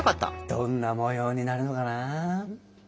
どんな模様になるのかな？